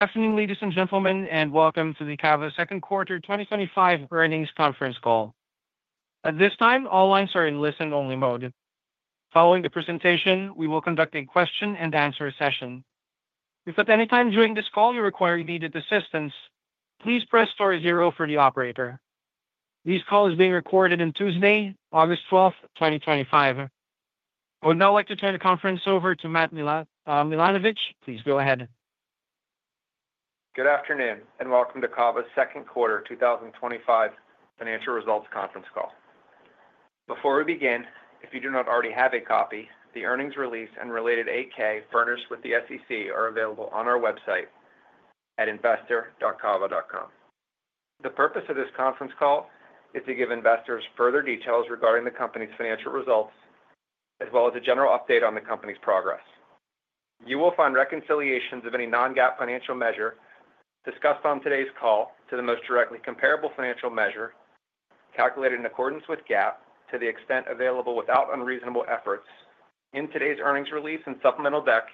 Good afternoon, ladies and gentlemen, and welcome to the CAVA Second Quarter 2025 earnings conference call. At this time, all lines are in listen-only mode. Following the presentation, we will conduct a question and answer session. If at any time during this call you require immediate assistance, please press star zero for the operator. This call is being recorded on Tuesday, August 12, 2025. I would now like to turn the conference over to Matt Milanovich. Please go ahead. Good afternoon and welcome to CAVA Second Quarter 2025 financial results conference call. Before we begin, if you do not already have a copy, the earnings release and related 8-K furnished with the SEC are available on our website at investor.cava.com. The purpose of this conference call is to give investors further details regarding the company's financial results, as well as a general update on the company's progress. You will find reconciliations of any non-GAAP financial measure discussed on today's call to the most directly comparable financial measure calculated in accordance with GAAP to the extent available without unreasonable efforts in today's earnings release and supplemental deck,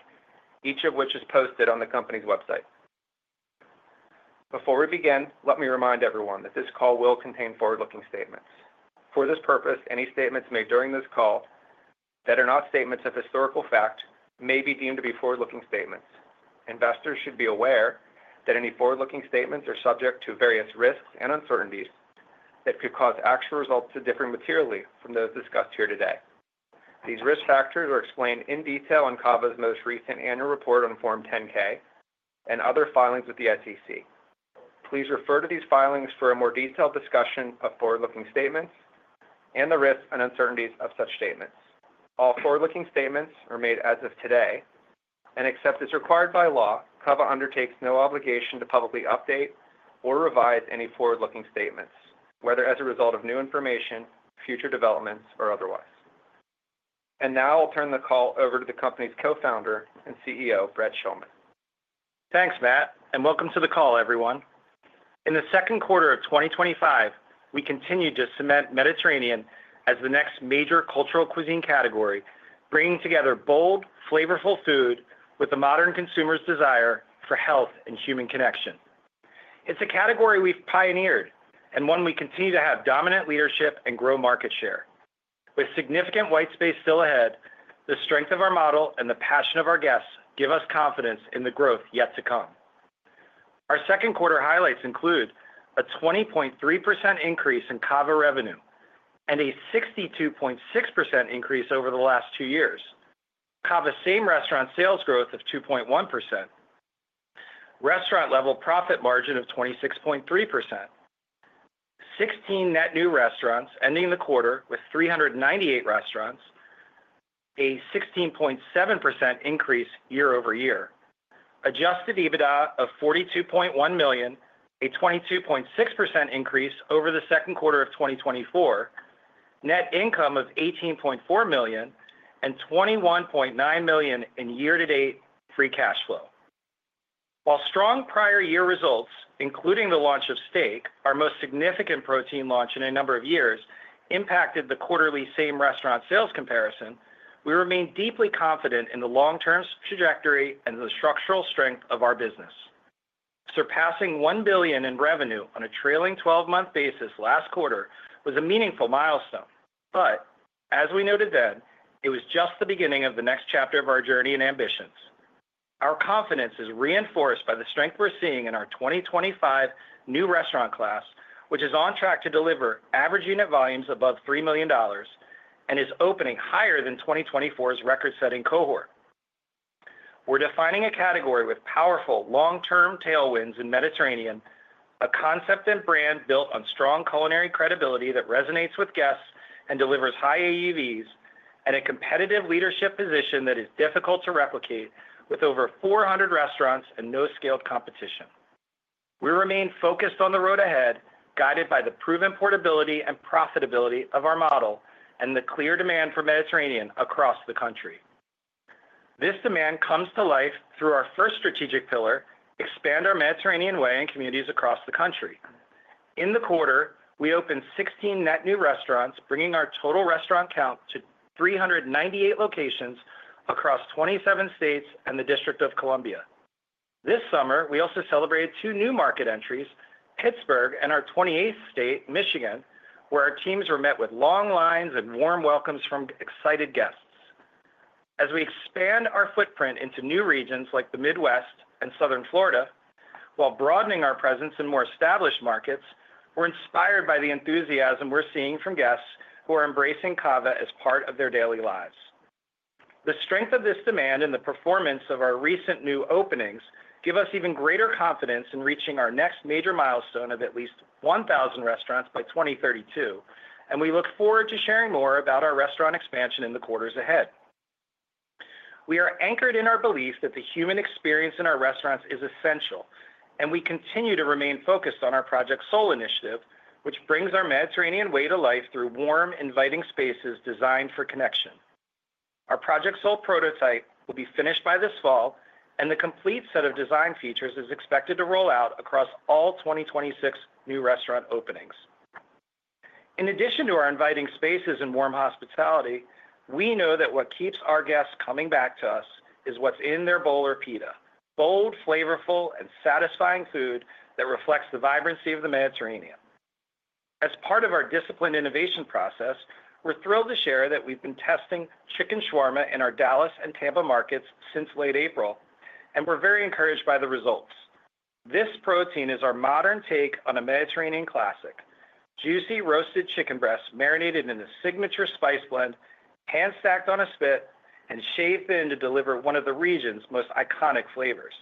each of which is posted on the company's website. Before we begin, let me remind everyone that this call will contain forward-looking statements. For this purpose, any statements made during this call that are not statements of historical fact may be deemed to be forward-looking statements. Investors should be aware that any forward-looking statements are subject to various risks and uncertainties that could cause actual results to differ materially from those discussed here today. These risk factors are explained in detail in CAVA's most recent annual report on Form 10-K and other filings with the SEC. Please refer to these filings for a more detailed discussion of forward-looking statements and the risks and uncertainties of such statements. All forward-looking statements are made as of today, and except as required by law, CAVA undertakes no obligation to publicly update or revise any forward-looking statements, whether as a result of new information, future developments, or otherwise. Now I'll turn the call over to the company's Co-Founder and CEO, Brett Schulman. Thanks, Matt, and welcome to the call, everyone. In the second quarter of 2025, we continue to cement Mediterranean as the next major cultural cuisine category, bringing together bold, flavorful food with the modern consumer's desire for health and human connection. It's a category we've pioneered and one we continue to have dominant leadership and grow market share. With significant white space still ahead, the strength of our model and the passion of our guests give us confidence in the growth yet to come. Our second quarter highlights include a 20.3% increase in CAVA revenue and a 62.6% increase over the last two years. CAVA's Same Restaurant Sales growth of 2.1%, Restaurant-Level Profit Margin of 26.3%, 16 net new restaurants ending the quarter with 398 restaurants, a 16.7% increase year-over-year, Adjusted EBITDA of $42.1 million, a 22.6% increase over the second quarter of 2024, net income of $18.4 million, and $21.9 million in year-to-date free cash flow. While strong prior year results, including the launch of steak, our most significant protein launch in a number of years, impacted the quarterly Same Restaurant Sales comparison, we remain deeply confident in the long-term trajectory and the structural strength of our business. Surpassing $1 billion in revenue on a trailing 12-month basis last quarter was a meaningful milestone, but as we noted then, it was just the beginning of the next chapter of our journey and ambitions. Our confidence is reinforced by the strength we're seeing in our 2025 new restaurant class, which is on track to deliver Average Unit Volumes above $3 million and is opening higher than 2024's record-setting cohort. We're defining a category with powerful long-term tailwinds in Mediterranean, a concept and brand built on strong culinary credibility that resonates with guests and delivers high AUVs, and a competitive leadership position that is difficult to replicate with over 400 restaurants and no scaled competition. We remain focused on the road ahead, guided by the proven portability and profitability of our model and the clear demand for Mediterranean across the country. This demand comes to life through our first strategic pillar: expand our Mediterranean way in communities across the country. In the quarter, we opened 16 net new restaurants, bringing our total restaurant count to 398 locations across 27 states and the District of Columbia. This summer, we also celebrated two new market entries: Pittsburgh and our 28th state, Michigan, where our teams were met with long lines and warm welcomes from excited guests. As we expand our footprint into new regions like the Midwest and Southern Florida, while broadening our presence in more established markets, we're inspired by the enthusiasm we're seeing from guests who are embracing CAVA as part of their daily lives. The strength of this demand and the performance of our recent new openings give us even greater confidence in reaching our next major milestone of at least 1,000 restaurants by 2032, and we look forward to sharing more about our restaurant expansion in the quarters ahead. We are anchored in our belief that the human experience in our restaurants is essential, and we continue to remain focused on our Project Soul initiative, which brings our Mediterranean way to life through warm, inviting spaces designed for connection. Our Project Soul prototype will be finished by this fall, and the complete set of design features is expected to roll out across all 2026 new restaurant openings. In addition to our inviting spaces and warm hospitality, we know that what keeps our guests coming back to us is what's in their bowl or pita: bold, flavorful, and satisfying food that reflects the vibrancy of the Mediterranean. As part of our disciplined innovation process, we're thrilled to share that we've been testing chicken shawarma in our Dallas and Tampa markets since late April, and we're very encouraged by the results. This protein is our modern take on a Mediterranean classic: juicy roasted chicken breasts marinated in a signature spice blend, hand-stacked on a spit, and shaved thin to deliver one of the region's most iconic flavors.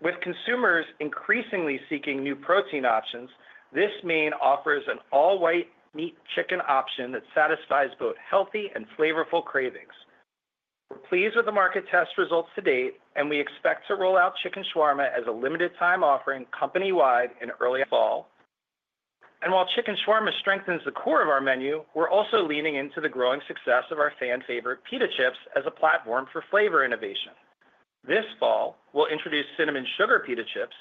With consumers increasingly seeking new protein options, this main offers an all-white meat chicken option that satisfies both healthy and flavorful cravings. We're pleased with the market test results to date, and we expect to roll out chicken shawarma as a limited-time offering company-wide in early fall. While chicken shawarma strengthens the core of our menu, we're also leaning into the growing success of our fan-favorite pita chips as a platform for flavor innovation. This fall, we'll introduce cinnamon sugar pita chips,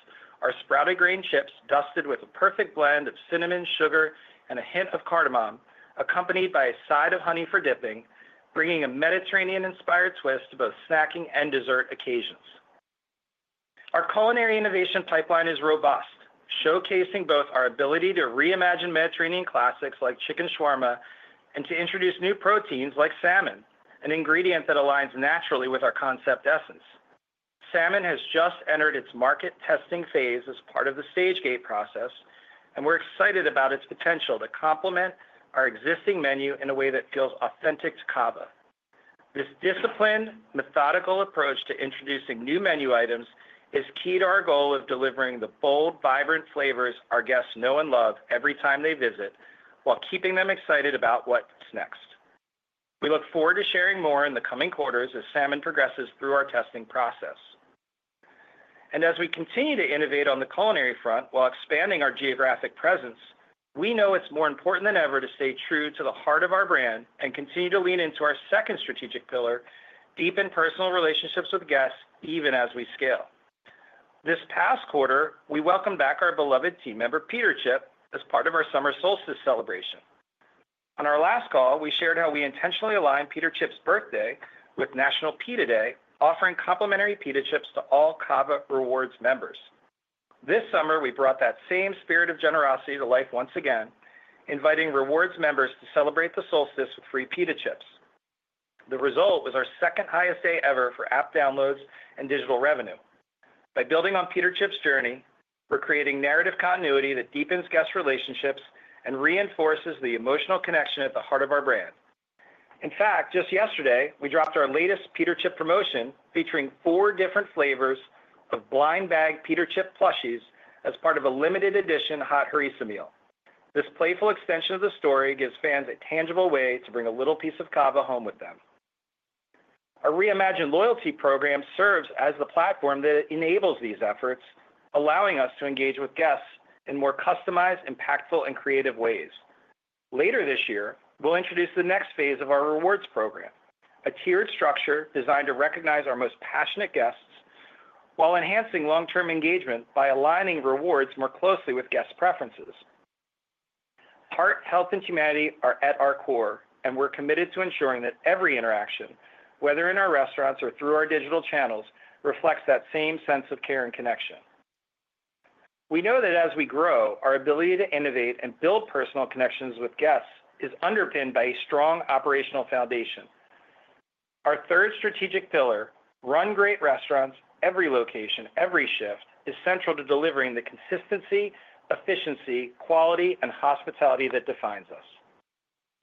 our sprouted grain chips dusted with a perfect blend of cinnamon, sugar, and a hint of cardamom, accompanied by a side of honey for dipping, bringing a Mediterranean-inspired twist to both snacking and dessert occasions. Our culinary innovation pipeline is robust, showcasing both our ability to reimagine Mediterranean classics like chicken shawarma and to introduce new proteins like salmon, an ingredient that aligns naturally with our concept essence. Salmon has just entered its market testing phase as part of the stage gate process, and we're excited about its potential to complement our existing menu in a way that feels authentic to CAVA. This disciplined, methodical approach to introducing new menu items is key to our goal of delivering the bold, vibrant flavors our guests know and love every time they visit, while keeping them excited about what's next. We look forward to sharing more in the coming quarters as salmon progresses through our testing process. As we continue to innovate on the culinary front while expanding our geographic presence, we know it's more important than ever to stay true to the heart of our brand and continue to lean into our second strategic pillar: deepen personal relationships with guests even as we scale. This past quarter, we welcomed back our beloved team member, Peter Chip, as part of our summer solstice celebration. On our last call, we shared how we intentionally aligned Peter Chip's birthday with National Pita Day, offering complimentary pita chips to all CAVA Rewards members. This summer, we brought that same spirit of generosity to life once again, inviting Rewards members to celebrate the solstice with free pita chips. The result was our second-highest day ever for app downloads and digital revenue. By building on Peter Chip's journey, we're creating narrative continuity that deepens guest relationships and reinforces the emotional connection at the heart of our brand. In fact, just yesterday, we dropped our latest Peter Chip promotion featuring four different flavors of blind bag Peter Chip plushies as part of a limited edition hot harissa meal. This playful extension of the story gives fans a tangible way to bring a little piece of CAVA home with them. Our reimagined loyalty program serves as the platform that enables these efforts, allowing us to engage with guests in more customized, impactful, and creative ways. Later this year, we'll introduce the next phase of our rewards program, a tiered structure designed to recognize our most passionate guests while enhancing long-term engagement by aligning rewards more closely with guest preferences. Heart, health, and humanity are at our core, and we're committed to ensuring that every interaction, whether in our restaurants or through our digital channels, reflects that same sense of care and connection. We know that as we grow, our ability to innovate and build personal connections with guests is underpinned by a strong operational foundation. Our third strategic pillar, run great restaurants, every location, every shift, is central to delivering the consistency, efficiency, quality, and hospitality that defines us.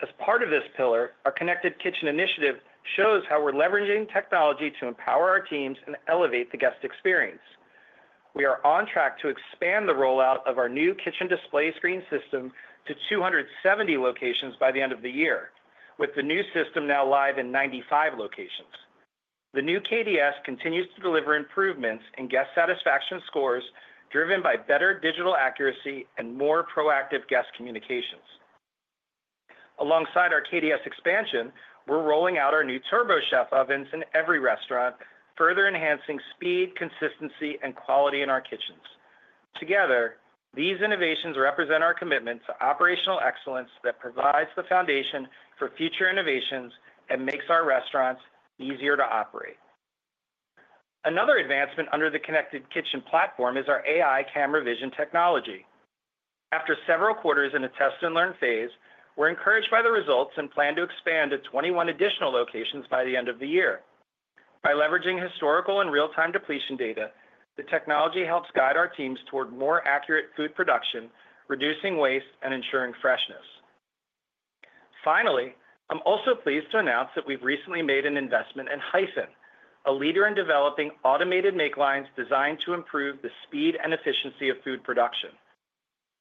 As part of this pillar, our Connected Kitchen initiative shows how we're leveraging technology to empower our teams and elevate the guest experience. We are on track to expand the rollout of our new Kitchen Display System to 270 locations by the end of the year, with the new system now live in 95 locations. The new KDS continues to deliver improvements in guest satisfaction scores, driven by better digital accuracy and more proactive guest communications. Alongside our KDS expansion, we're rolling out our new TurboChef ovens in every restaurant, further enhancing speed, consistency, and quality in our kitchens. Together, these innovations represent our commitment to operational excellence that provides the foundation for future innovations and makes our restaurants easier to operate. Another advancement under the Connected Kitchen platform is our AI camera vision technology. After several quarters in a test and learn phase, we're encouraged by the results and plan to expand to 21 additional locations by the end of the year. By leveraging historical and real-time depletion data, the technology helps guide our teams toward more accurate food production, reducing waste, and ensuring freshness. Finally, I'm also pleased to announce that we've recently made an investment in Hyphen, a leader in developing automated make lines designed to improve the speed and efficiency of food production.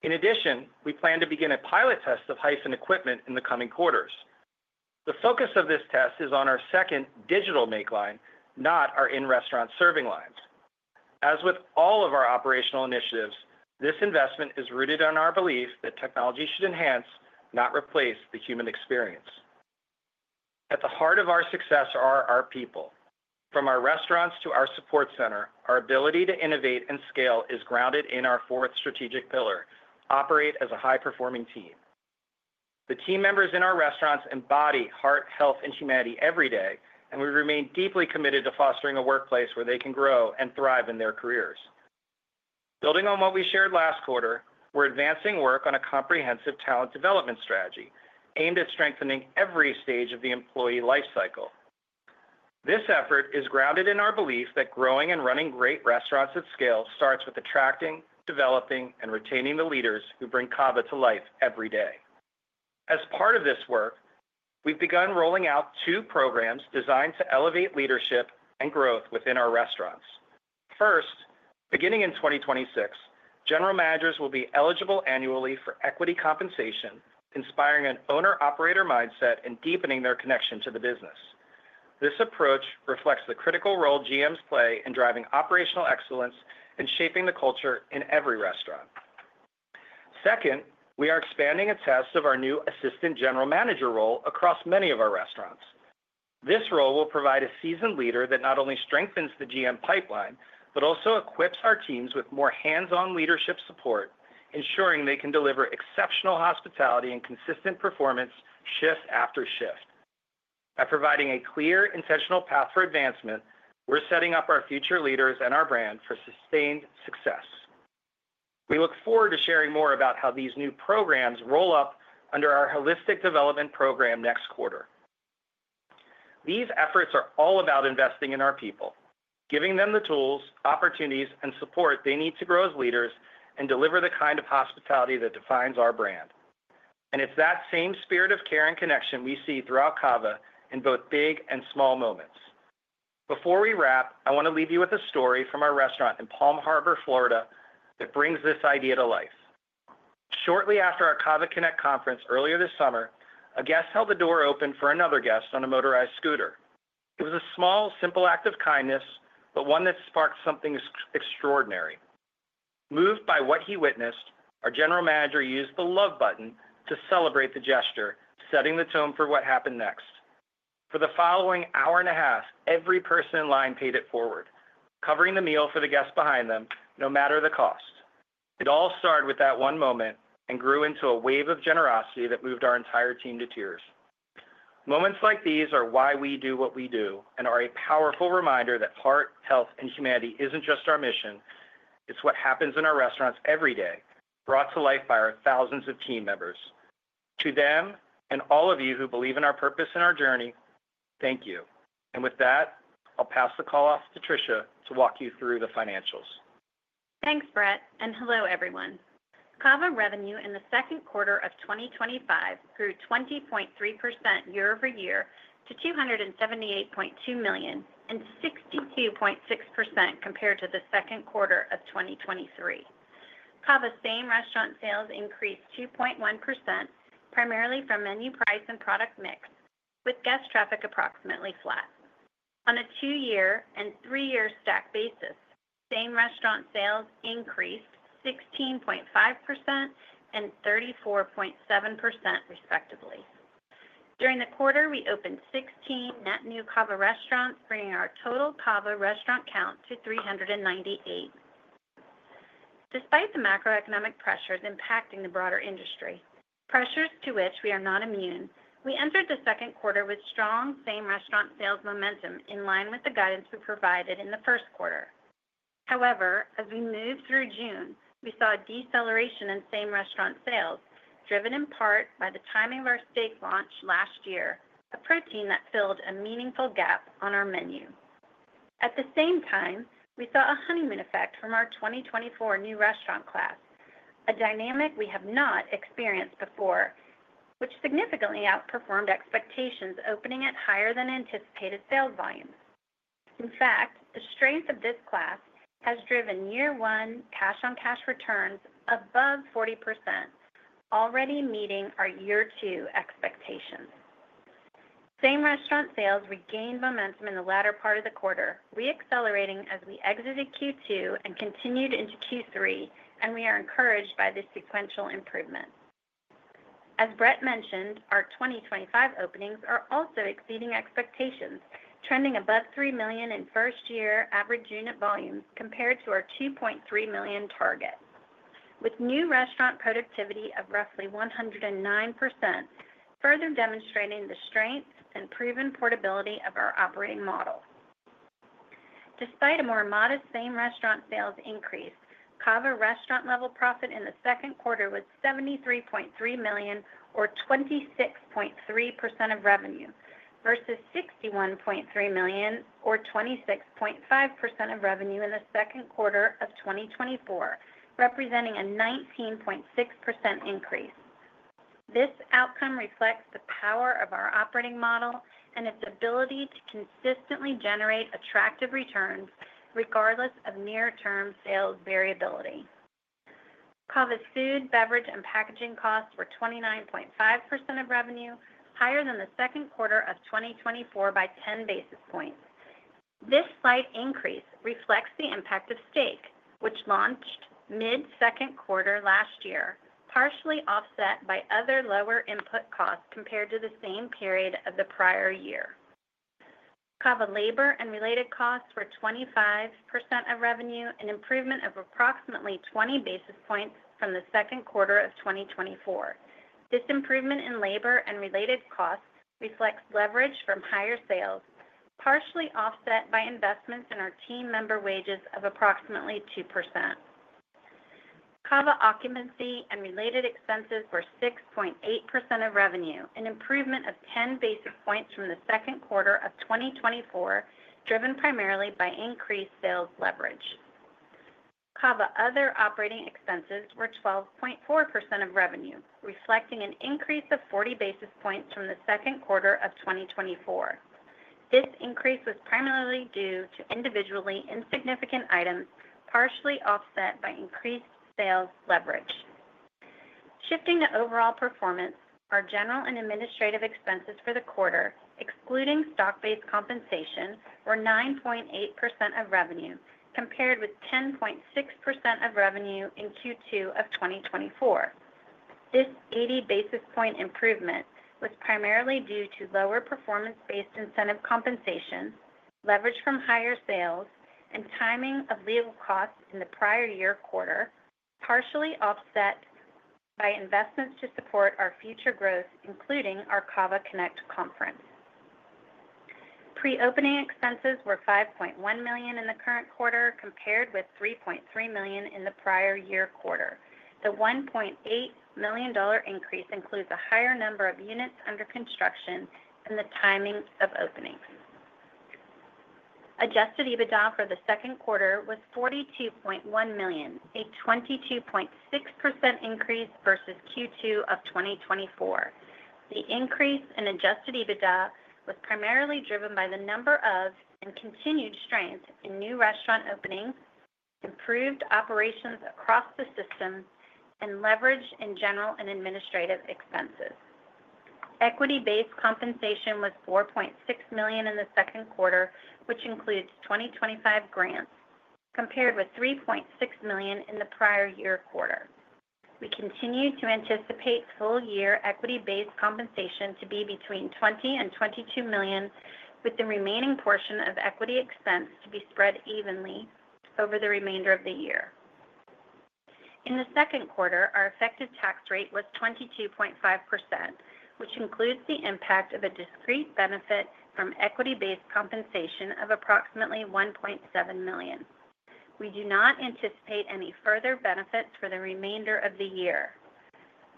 In addition, we plan to begin a pilot test of Hyphen equipment in the coming quarters. The focus of this test is on our second digital make line, not our in-restaurant serving lines. As with all of our operational initiatives, this investment is rooted in our belief that technology should enhance, not replace, the human experience. At the heart of our success are our people. From our restaurants to our support center, our ability to innovate and scale is grounded in our fourth strategic pillar: operate as a high-performing team. The team members in our restaurants embody heart, health, and humanity every day, and we remain deeply committed to fostering a workplace where they can grow and thrive in their careers. Building on what we shared last quarter, we're advancing work on a comprehensive talent development strategy aimed at strengthening every stage of the employee lifecycle. This effort is grounded in our belief that growing and running great restaurants at scale starts with attracting, developing, and retaining the leaders who bring CAVA to life every day. As part of this work, we've begun rolling out two programs designed to elevate leadership and growth within our restaurants. First, beginning in 2026, General Managers will be eligible annually for equity compensation, inspiring an owner-operator mindset and deepening their connection to the business. This approach reflects the critical role GMs play in driving operational excellence and shaping the culture in every restaurant. Second, we are expanding a test of our new Assistant General Manager role across many of our restaurants. This role will provide a seasoned leader that not only strengthens the GM pipeline but also equips our teams with more hands-on leadership support, ensuring they can deliver exceptional hospitality and consistent performance shift after shift. By providing a clear, intentional path for advancement, we're setting up our future leaders and our brand for sustained success. We look forward to sharing more about how these new programs roll up under our holistic development program next quarter. These efforts are all about investing in our people, giving them the tools, opportunities, and support they need to grow as leaders and deliver the kind of hospitality that defines our brand. It is that same spirit of care and connection we see throughout CAVA in both big and small moments. Before we wrap, I want to leave you with a story from our restaurant in Palm Harbor, Florida, that brings this idea to life. Shortly after our CAVA Connect conference earlier this summer, a guest held the door open for another guest on a motorized scooter. It was a small, simple act of kindness, but one that sparked something extraordinary. Moved by what he witnessed, our General Manager used the love button to celebrate the gesture, setting the tone for what happened next. For the following hour and a half, every person in line paid it forward, covering the meal for the guests behind them, no matter the cost. It all started with that one moment and grew into a wave of generosity that moved our entire team to tears. Moments like these are why we do what we do and are a powerful reminder that heart, health, and humanity isn't just our mission. It's what happens in our restaurants every day, brought to life by our thousands of team members. To them and all of you who believe in our purpose and our journey, thank you. With that, I'll pass the call off to Tricia to walk you through the financials. Thanks, Brett, and hello, everyone. CAVA revenue in the second quarter of 2025 grew 20.3% year-over-year to $278.2 million and 62.6% compared to the second quarter of 2023. CAVA's Same Restaurant Sales increased 2.1%, primarily from menu price and product mix, with guest traffic approximately flat. On a two-year and three-year stack basis, Same Restaurant Sales increased 16.5% and 34.7%, respectively. During the quarter, we opened 16 net new CAVA restaurants, bringing our total CAVA restaurant count to 398. Despite the macroeconomic pressures impacting the broader industry, pressures to which we are not immune, we entered the second quarter with strong Same Restaurant Sales momentum in line with the guidance we provided in the first quarter. However, as we moved through June, we saw a deceleration in Same Restaurant Sales, driven in part by the timing of our steak launch last year, a protein that filled a meaningful gap on our menu. At the same time, we saw a honeymoon effect from our 2024 new restaurant class, a dynamic we have not experienced before, which significantly outperformed expectations, opening at higher than anticipated sales volumes. In fact, the strength of this class has driven year-one cash-on-cash returns above 40%, already meeting our year-two expectation. Same restaurant sales regained momentum in the latter part of the quarter, re-accelerating as we exited Q2 and continued into Q3, and we are encouraged by this sequential improvement. As Brett mentioned, our 2025 openings are also exceeding expectations, trending above $3 million in first-year Average Unit Volumes compared to our $2.3 million target, with new restaurant productivity of roughly 109%, further demonstrating the strength and proven portability of our operating model. Despite a more modest Same Restaurant Sales increase, CAVA Restaurant-Level Profit in the second quarter was $73.3 million or 26.3% of revenue versus $61.3 million or 26.5% of revenue in the second quarter of 2024, representing a 19.6% increase. This outcome reflects the power of our operating model and its ability to consistently generate attractive returns regardless of near-term sales variability. CAVA's food, beverage, and packaging costs were 29.5% of revenue, higher than the second quarter of 2024 by 10 basis points. This slight increase reflects the impact of steak, which launched mid-second quarter last year, partially offset by other lower input costs compared to the same period of the prior year. CAVA labor and related costs were 25% of revenue, an improvement of approximately 20 basis points from the second quarter of 2024. This improvement in labor and related costs reflects leverage from higher sales, partially offset by investments in our team member wages of approximately 2%. CAVA occupancy and related expenses were 6.8% of revenue, an improvement of 10 basis points from the second quarter of 2024, driven primarily by increased sales leverage. CAVA other operating expenses were 12.4% of revenue, reflecting an increase of 40 basis points from the second quarter of 2024. This increase was primarily due to individually insignificant items, partially offset by increased sales leverage. Shifting to overall performance, our general and administrative expenses for the quarter, excluding stock-based compensation, were 9.8% of revenue, compared with 10.6% of revenue in Q2 of 2024. This 80 basis point improvement was primarily due to lower performance-based incentive compensation, leverage from higher sales, and timing of legal costs in the prior year quarter, partially offset by investments to support our future growth, including our CAVA Connect conference. Pre-Opening Expenses were $5.1 million in the current quarter, compared with $3.3 million in the prior year quarter. The $1.8 million increase includes a higher number of units under construction and the timing of openings. Adjusted EBITDA for the second quarter was $42.1 million, a 22.6% increase versus Q2 of 2024. The increase in Adjusted EBITDA was primarily driven by the number of and continued strength in new restaurant openings, improved operations across the system, and leverage in general and administrative expenses. Equity-based Compensation was $4.6 million in the second quarter, which includes 2025 grants, compared with $3.6 million in the prior year quarter. We continue to anticipate full-year Equity-Based Compensation to be between $20 million and $22 million, with the remaining portion of equity expense to be spread evenly over the remainder of the year. In the second quarter, our effective tax rate was 22.5%, which includes the impact of a discrete benefit from Equity-based Compensation of approximately $1.7 million. We do not anticipate any further benefits for the remainder of the year.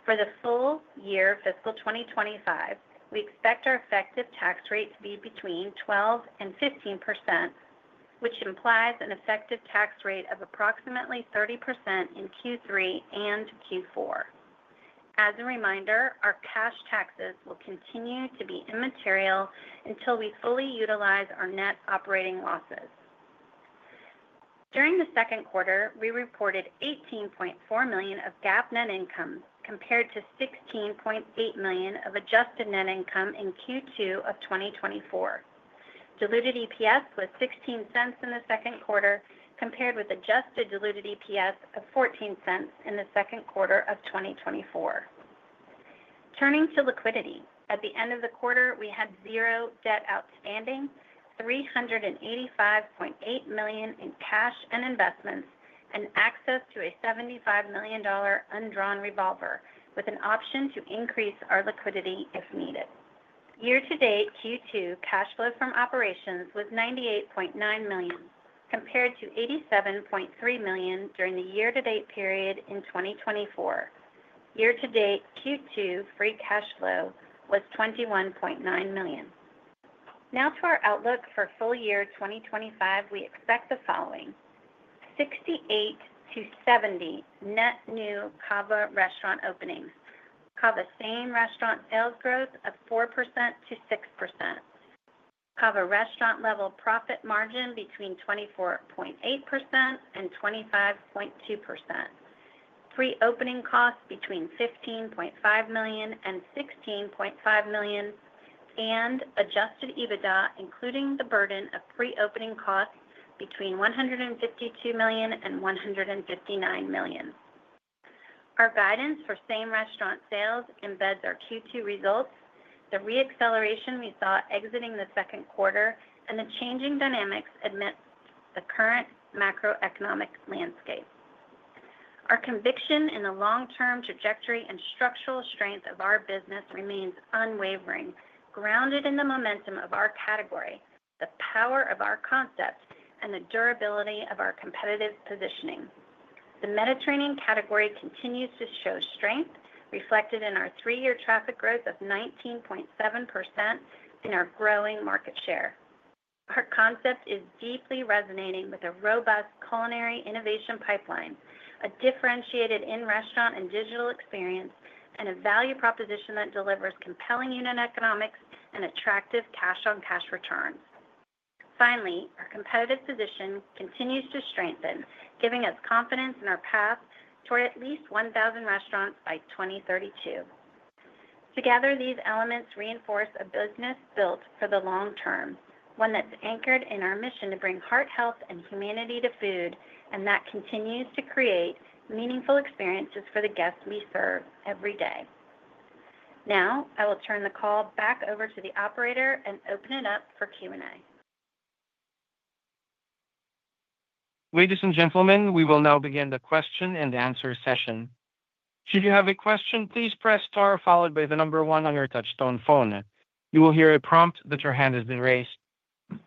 For the full year of fiscal 2025, we expect our effective tax rate to be between 12% and 15%, which implies an effective tax rate of approximately 30% in Q3 and Q4. As a reminder, our cash taxes will continue to be immaterial until we fully utilize our Net Operating Losses. During the second quarter, we reported $18.4 million of GAAP net income, compared to $16.8 million of adjusted net income in Q2 of 2024. Diluted EPS was $0.16 in the second quarter, compared with adjusted diluted EPS of $0.14 in the second quarter of 2024. Turning to liquidity, at the end of the quarter, we had zero debt outstanding, $385.8 million in cash and investments, and access to a $75 million undrawn revolver, with an option to increase our liquidity if needed. Year-to-date Q2 cash flow from operations was $98.9 million, compared to $87.3 million during the year-to-date period in 2024. Year-to-date Q2 free cash flow was $21.9 million. Now to our outlook for full year 2025, we expect the following: 68 to 70 net new CAVA restaurant openings, CAVA Same Restaurant Sales growth of 4%-6%, CAVA Restaurant-Level Profit Margin between 24.8% and 25.2%, Pre-Opening costs between $15.5 million and $16.5 million, and Adjusted EBITDA, including the burden of Pre-Opening costs, between $152 million and $159 million. Our guidance for Same Restaurant Sales embeds our Q2 results, the reacceleration we saw exiting the second quarter, and the changing dynamics amidst the current macroeconomic landscape. Our conviction in the long-term trajectory and structural strength of our business remains unwavering, grounded in the momentum of our category, the power of our concept, and the durability of our competitive positioning. The Mediterranean category continues to show strength, reflected in our three-year traffic growth of 19.7% and our growing market share. Our concept is deeply resonating with a robust culinary innovation pipeline, a differentiated in-restaurant and digital experience, and a value proposition that delivers compelling unit economics and attractive cash-on-cash returns. Finally, our competitive position continues to strengthen, giving us confidence in our path toward at least 1,000 restaurants by 2032. Together, these elements reinforce a business built for the long term, one that's anchored in our mission to bring heart, health, and humanity to food, and that continues to create meaningful experiences for the guests we serve every day. Now, I will turn the call back over to the operator and open it up for Q&A. Ladies and gentlemen, we will now begin the question and answer session. Should you have a question, please press star followed by the number one on your touch-tone phone. You will hear a prompt that your hand has been raised.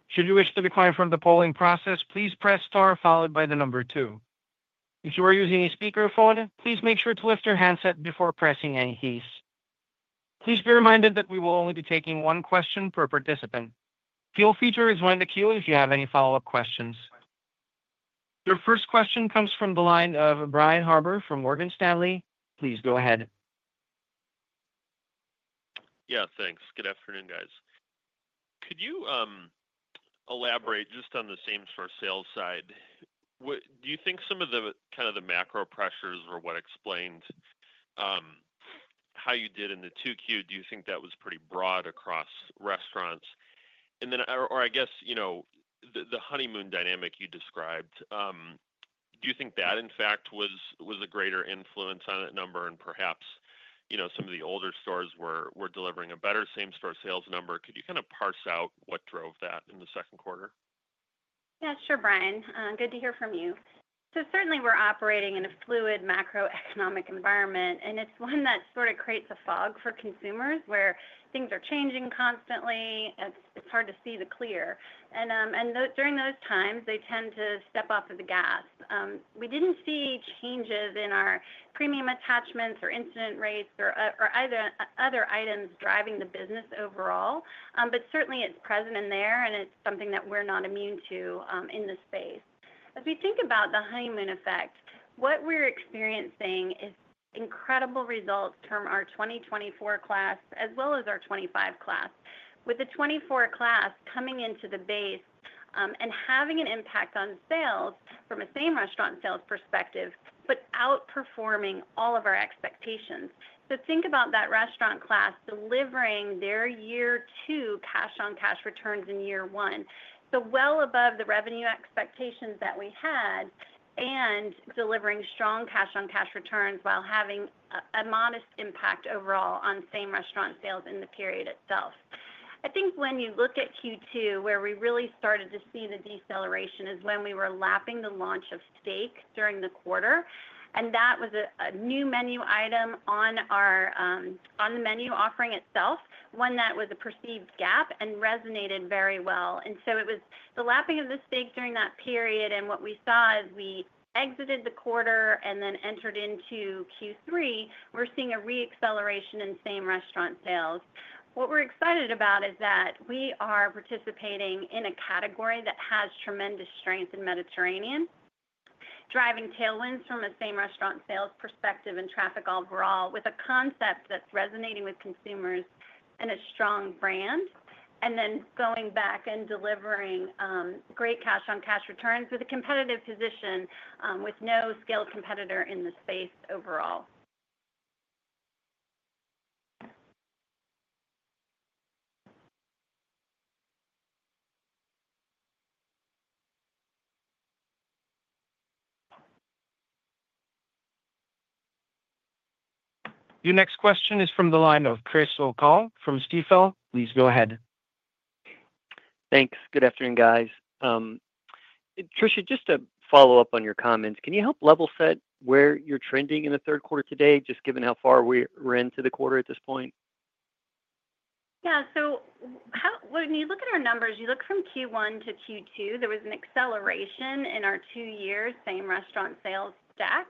Should you wish to decline from the polling process, please press star followed by the number two. If you are using a speakerphone, please make sure to lift your handset before pressing any keys. Please be reminded that we will only be taking one question per participant. The queue feature is one in the queue if you have any follow-up questions. Your first question comes from the line of Brian Harbour from Morgan Stanley. Please go ahead. Yeah, thanks. Good afternoon, guys. Could you elaborate just on the same for sales side? Do you think some of the kind of the macro pressures or what explained how you did in the 2Q, do you think that was pretty broad across restaurants? I guess, you know, the honeymoon dynamic you described, do you think that in fact was a greater influence on that number and perhaps, you know, some of the older stores were delivering a better same-store sales number? Could you kind of parse out what drove that in the second quarter? Yeah, sure, Brian. Good to hear from you. Certainly, we're operating in a fluid macroeconomic environment, and it's one that sort of creates a fog for consumers where things are changing constantly. It's hard to see the clear. During those times, they tend to step off of the gas. We didn't see changes in our premium attachments or incident rates or either other items driving the business overall, but certainly, it's present in there, and it's something that we're not immune to in this space. As we think about the honeymoon effect, what we're experiencing is incredible results from our 2024 class as well as our 2025 class, with the 2024 class coming into the base and having an impact on sales from a Same Restaurant Sales perspective, but outperforming all of our expectations. Think about that restaurant class delivering their year-two cash-on-cash returns in year one, so well above the revenue expectations that we had, and delivering strong cash-on-cash returns while having a modest impact overall on Same Restaurant Sales in the period itself. I think when you look at Q2, where we really started to see the deceleration is when we were lapping the launch of steak during the quarter, and that was a new menu item on the menu offering itself, one that was a perceived gap and resonated very well. It was the lapping of the steak during that period, and what we saw as we exited the quarter and then entered into Q3, we're seeing a reacceleration in Same Restaurant Sales. What we're excited about is that we are participating in a category that has tremendous strength in Mediterranean, driving tailwinds from a Same Restaurant Sales perspective and traffic overall, with a concept that's resonating with consumers and a strong brand, and then going back and delivering great cash-on-cash returns with a competitive position with no skilled competitor in the space overall. Your next question is from the line of Chris O'Cull from Stifel. Please go ahead. Thanks. Good afternoon, guys. Tricia, just to follow up on your comments, can you help level set where you're trending in the third quarter today, just given how far we're into the quarter at this point? When you look at our numbers, you look from Q1 to Q2, there was an acceleration in our two-year Same Restaurant Sales stack,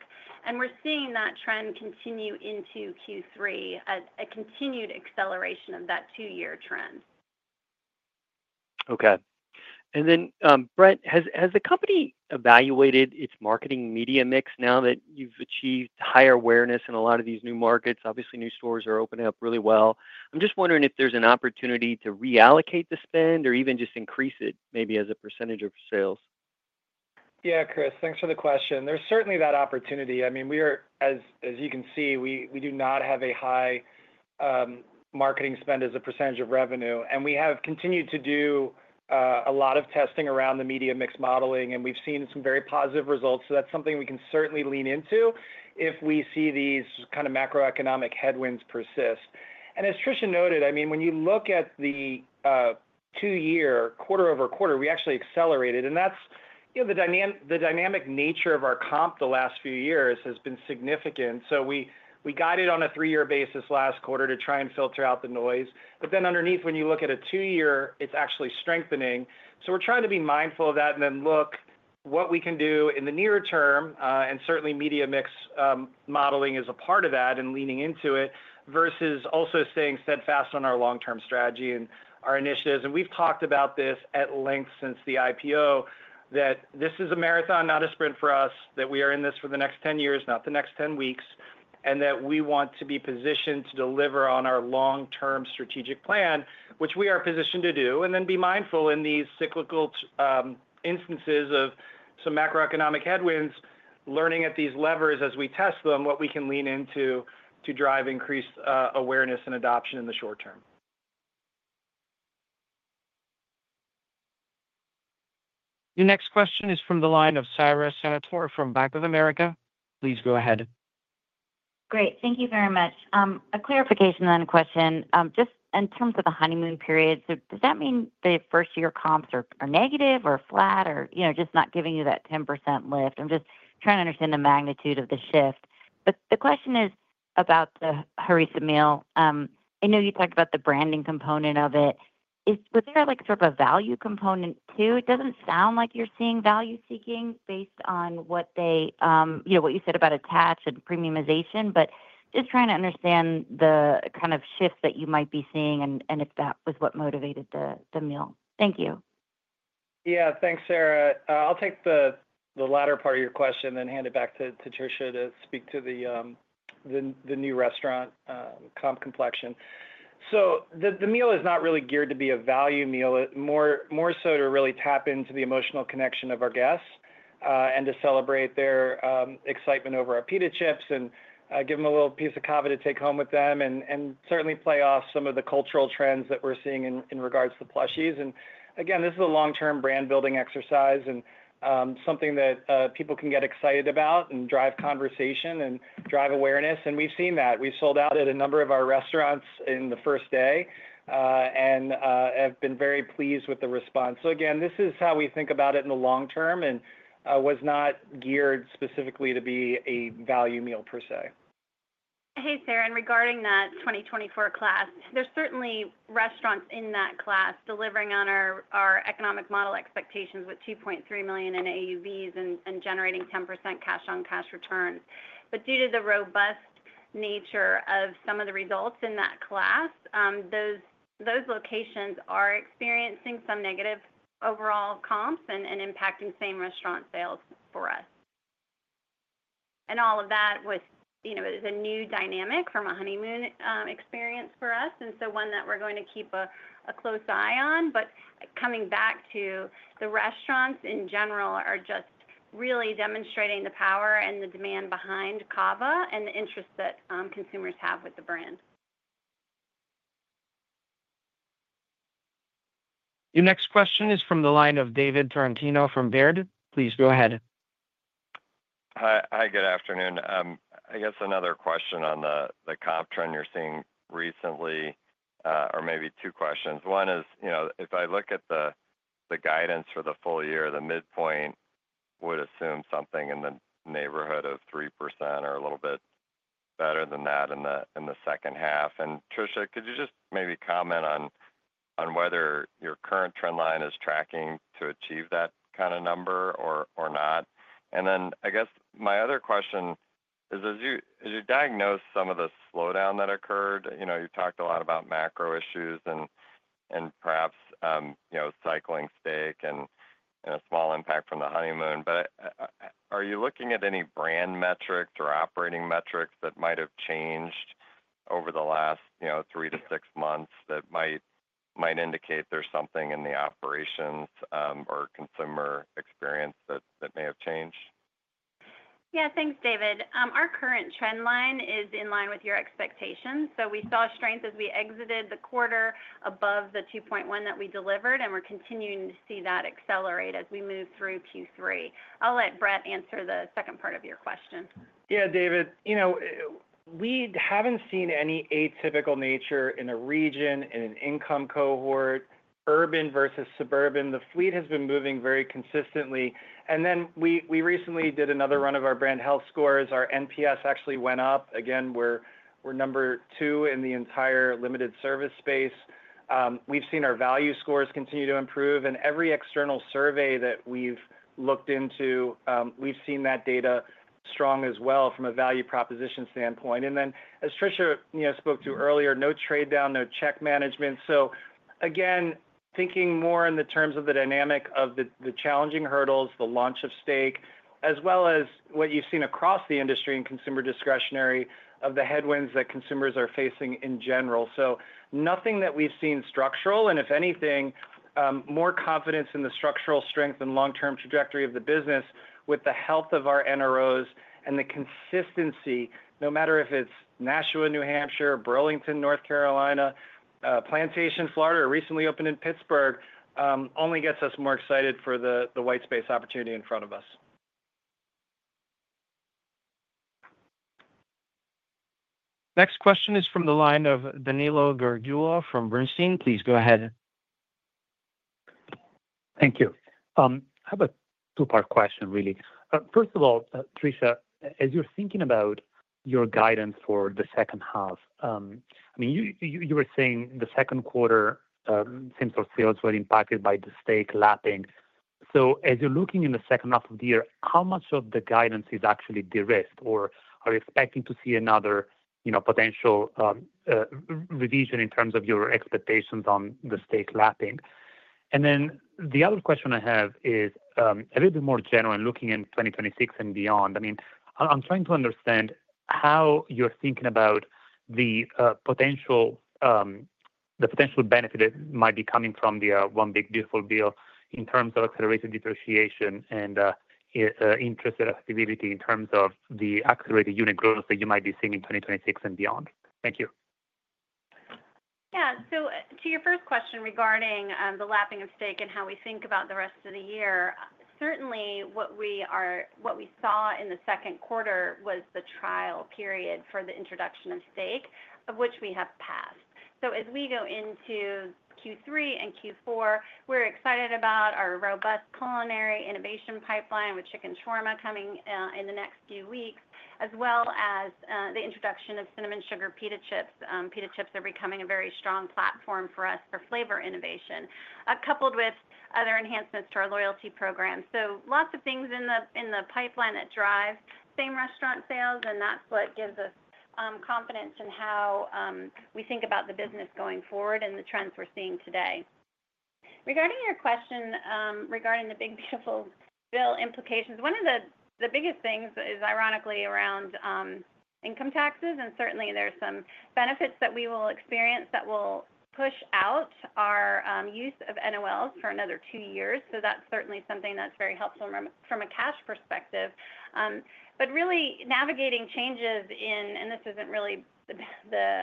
and we're seeing that trend continue into Q3, a continued acceleration of that two-year trend. Okay. Brett, has the company evaluated its marketing media mix now that you've achieved higher awareness in a lot of these new markets? Obviously, new stores are opening up really well. I'm just wondering if there's an opportunity to reallocate the spend or even just increase it, maybe as a percentage of sales. Yeah, Chris, thanks for the question. There's certainly that opportunity. I mean, we are, as you can see, we do not have a high marketing spend as a percentage of revenue, and we have continued to do a lot of testing around the media mix modeling, and we've seen some very positive results. That's something we can certainly lean into if we see these kind of macroeconomic headwinds persist. As Tricia noted, when you look at the two-year quarter-over-quarter, we actually accelerated, and that's the dynamic nature of our comp the last few years has been significant. We guided on a three-year basis last quarter to try and filter out the noise. Underneath, when you look at a two-year, it's actually strengthening. We're trying to be mindful of that and then look at what we can do in the near term, and certainly media mix modeling is a part of that and leaning into it versus also staying steadfast on our long-term strategy and our initiatives. We've talked about this at length since the IPO, that this is a marathon, not a sprint for us, that we are in this for the next 10 years, not the next 10 weeks, and that we want to be positioned to deliver on our long-term strategic plan, which we are positioned to do, and then be mindful in these cyclical instances of some macroeconomic headwinds, learning at these levers as we test them, what we can lean into to drive increased awareness and adoption in the short term. Your next question is from the line of Sara Senatore from Bank of America. Please go ahead. Great, thank you very much. A clarification on a question, just in terms of the honeymoon period, does that mean the first-year comps are negative or flat, or just not giving you that 10% lift? I'm just trying to understand the magnitude of the shift. The question is about the harissa meal. I know you talked about the branding component of it. Was there a value component too? It doesn't sound like you're seeing value seeking based on what you said about attach and premiumization, but just trying to understand the kind of shifts that you might be seeing and if that was what motivated the meal. Thank you. Yeah, thanks, Sara. I'll take the latter part of your question and then hand it back to Tricia to speak to the new restaurant comp complexion. The meal is not really geared to be a value meal, more so to really tap into the emotional connection of our guests and to celebrate their excitement over our pita chips and give them a little piece of CAVA to take home with them and certainly play off some of the cultural trends that we're seeing in regards to plushies. This is a long-term brand-building exercise and something that people can get excited about and drive conversation and drive awareness. We've seen that. We sold out at a number of our restaurants in the first day and have been very pleased with the response. This is how we think about it in the long term and was not geared specifically to be a value meal per se. Hey, Sara, and regarding that 2024 class, there's certainly restaurants in that class delivering on our economic model expectations with $2.3 million in AUVs and generating 10% cash-on-cash returns. Due to the robust nature of some of the results in that class, those locations are experiencing some negative overall comps and impacting Same Restaurant Sales for us. All of that is a new dynamic from a honeymoon experience for us, and one that we're going to keep a close eye on. Coming back to the restaurants in general, they are just really demonstrating the power and the demand behind CAVA and the interest that consumers have with the brand. Your next question is from the line of David Tarantino from Baird. Please go ahead. Hi, good afternoon. I guess another question on the comp trend you're seeing recently, or maybe two questions. One is, you know, if I look at the guidance for the full year, the midpoint would assume something in the neighborhood of 3% or a little bit better than that in the second half. Tricia, could you just maybe comment on whether your current trend line is tracking to achieve that kind of number or not? I guess my other question is, as you diagnose some of the slowdown that occurred, you've talked a lot about macro issues and perhaps, you know, cycling steak and a small impact from the honeymoon. Are you looking at any brand metrics or operating metrics that might have changed over the last, you know, three to six months that might indicate there's something in the operations or consumer experience that may have changed? Yeah, thanks, David. Our current trend line is in line with your expectations. We saw strength as we exited the quarter above the 2.1 that we delivered, and we're continuing to see that accelerate as we move through Q3. I'll let Brett answer the second part of your question. Yeah, David, you know, we haven't seen any atypical nature in a region, in an income cohort, urban versus suburban. The fleet has been moving very consistently. We recently did another run of our brand health scores. Our NPS actually went up. Again, we're number two in the entire limited service space. We've seen our value scores continue to improve, and every external survey that we've looked into, we've seen that data strong as well from a value proposition standpoint. As Tricia spoke to earlier, no trade down, no check management. Thinking more in the terms of the dynamic of the challenging hurdles, the launch of steak, as well as what you've seen across the industry and consumer discretionary of the headwinds that consumers are facing in general. Nothing that we've seen structural, and if anything, more confidence in the structural strength and long-term trajectory of the business with the health of our NROs and the consistency, no matter if it's Nashua, New Hampshire, Burlington, North Carolina, Plantation, Florida, or recently opened in Pittsburgh, only gets us more excited for the white space opportunity in front of us. Next question is from the line of Danilo Gargiulo from Bernstein. Please go ahead. Thank you. I have a two-part question, really. First of all, Tricia, as you're thinking about your guidance for the second half, I mean, you were saying the second quarter, Same Restaurant Sales were impacted by the steak lapping. As you're looking in the second half of the year, how much of the guidance is actually derisked or are you expecting to see another, you know, potential revision in terms of your expectations on the steak lapping? The other question I have is a little bit more general and looking in 2026 and beyond. I'm trying to understand how you're thinking about the potential benefit that might be coming from the one big beautiful bill in terms of accelerated depreciation and interested activity in terms of the accelerated unit growth that you might be seeing in 2026 and beyond. Thank you. Yeah, to your first question regarding the lapping of steak and how we think about the rest of the year, certainly what we saw in the second quarter was the trial period for the introduction of steak, of which we have passed. As we go into Q3 and Q4, we're excited about our robust culinary innovation pipeline with chicken shawarma coming in the next few weeks, as well as the introduction of cinnamon sugar pita chips. Pita chips are becoming a very strong platform for us for flavor innovation, coupled with other enhancements to our loyalty program. There are lots of things in the pipeline that drive Same Restaurant Sales, and that's what gives us confidence in how we think about the business going forward and the trends we're seeing today. Regarding your question regarding the big beautiful bill implications, one of the biggest things is ironically around income taxes, and certainly there's some benefits that we will experience that will push out our use of NOLs for another two years. That's certainly something that's very helpful from a cash perspective. Really navigating changes in, and this isn't really the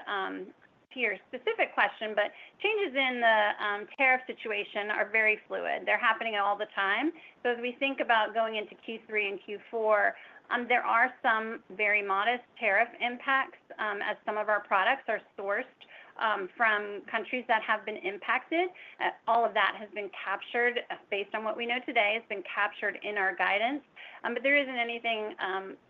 peer-specific question, but changes in the tariff situation are very fluid. They're happening all the time. As we think about going into Q3 and Q4, there are some very modest tariff impacts as some of our products are sourced from countries that have been impacted. All of that has been captured based on what we know today and has been captured in our guidance. There aren't any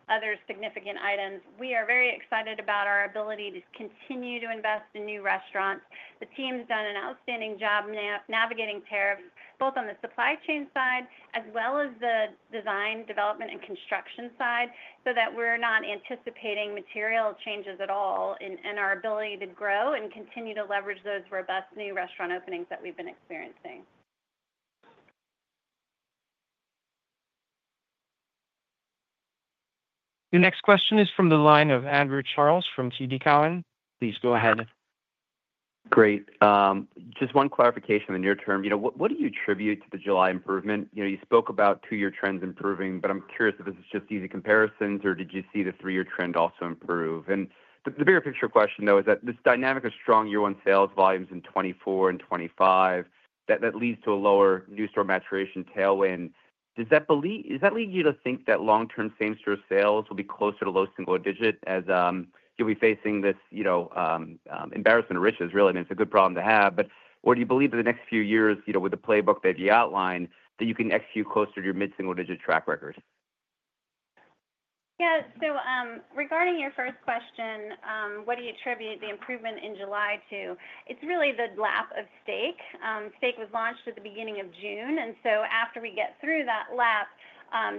other significant items. We are very excited about our ability to continue to invest in new restaurants. The team's done an outstanding job navigating tariffs, both on the supply chain side as well as the design, development, and construction side, so that we're not anticipating material changes at all in our ability to grow and continue to leverage those robust new restaurant openings that we've been experiencing. Your next question is from the line of Andrew Charles from TD Cowen. Please go ahead. Great. Just one clarification in your term. What do you attribute to the July improvement? You spoke about two-year trends improving, but I'm curious if this is just easy comparisons or did you see the three-year trend also improve? The bigger picture question, though, is that this dynamic of strong year-one sales volumes in 2024 and 2025 that leads to a lower new store maturation tailwind. Does that lead you to think that long-term Same Restaurant Sales will be closer to low single digit as you'll be facing this embarrassment of riches? Really, I mean, it's a good problem to have, but what do you believe in the next few years, with the playbook that you outlined, that you can execute closer to your mid-single digit track record? Yeah, regarding your first question, what do you attribute the improvement in July to? It's really the lap of steak. Steak was launched at the beginning of June, and after we get through that lap,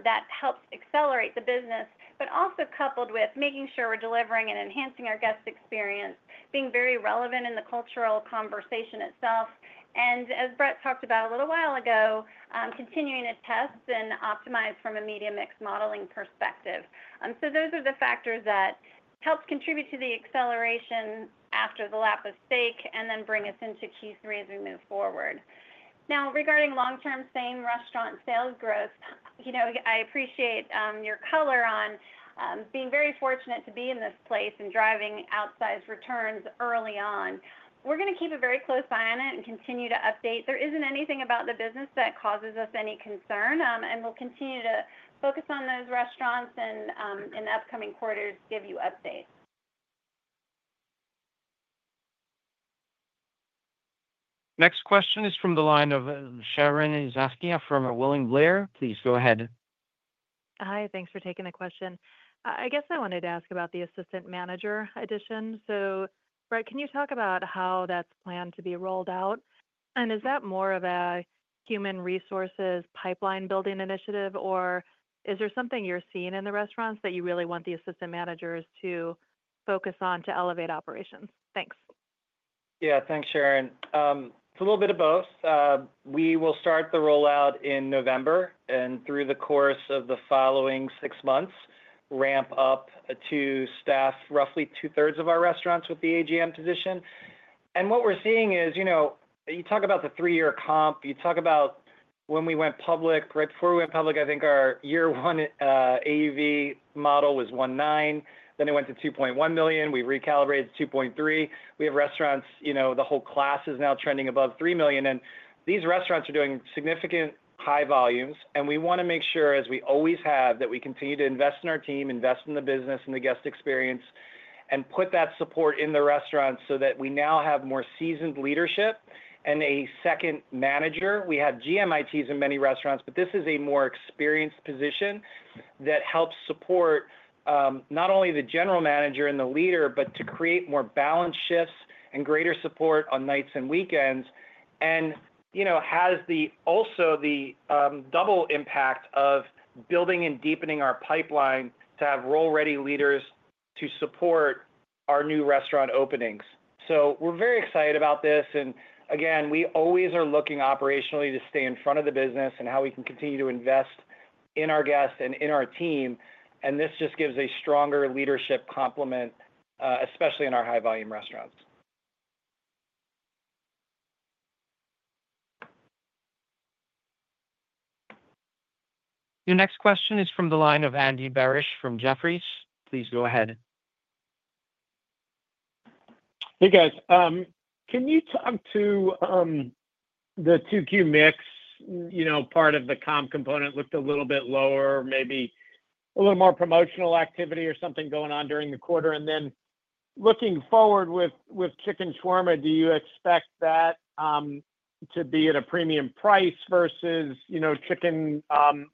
that helped accelerate the business, also coupled with making sure we're delivering and enhancing our guest experience, being very relevant in the cultural conversation itself. As Brett talked about a little while ago, continuing to test and optimize from a media mix modeling perspective, those are the factors that helped contribute to the acceleration after the lap of steak and bring us into Q3 as we move forward. Now, regarding long-term Same Restaurant Sales growth, I appreciate your color on being very fortunate to be in this place and driving outsized returns early on. We're going to keep a very close eye on it and continue to update. There isn't anything about the business that causes us any concern, and we'll continue to focus on those restaurants and in the upcoming quarters, give you updates. Next question is from the line of Sharon Zackfia from William Blair. Please go ahead. Hi, thanks for taking the question. I guess I wanted to ask about the assistant manager addition. Brett, can you talk about how that's planned to be rolled out? Is that more of a human resources pipeline building initiative, or is there something you're seeing in the restaurants that you really want the assistant managers to focus on to elevate operations? Thanks. Yeah, thanks, Sharon. It's a little bit of both. We will start the rollout in November, and through the course of the following six months, ramp up to staff roughly two-thirds of our restaurants with the AGM position. What we're seeing is, you talk about the three-year comp, you talk about when we went public, right before we went public, I think our year-one AUV model was $1.9 million, then it went to $2.1 million, we recalibrated to $2.3 million. We have restaurants, the whole class is now trending above $3 million, and these restaurants are doing significant high volumes. We want to make sure, as we always have, that we continue to invest in our team, invest in the business and the guest experience, and put that support in the restaurants so that we now have more seasoned leadership and a second manager. We have GMITs in many restaurants, but this is a more experienced position that helps support not only the general manager and the leader, but to create more balanced shifts and greater support on nights and weekends, and has also the double impact of building and deepening our pipeline to have role-ready leaders to support our new restaurant openings. We are very excited about this, and again, we always are looking operationally to stay in front of the business and how we can continue to invest in our guests and in our team, and this just gives a stronger leadership complement, especially in our high-volume restaurants. Your next question is from the line of Andrew Barish from Jefferies. Please go ahead. Hey, guys. Can you talk to the 2Q mix? Part of the comp component looked a little bit lower, maybe a little more promotional activity or something going on during the quarter, and then looking forward with chicken shawarma, do you expect that to be at a premium price versus, you know, chicken